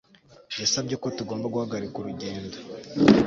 Yasabye ko tugomba guhagarika urugendo